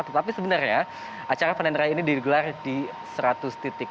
tetapi sebenarnya acara panen raya ini digelar di seratus titik